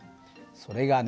それがね